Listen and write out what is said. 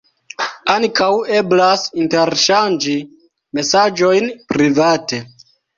Ankaŭ eblas interŝanĝi mesaĝojn private.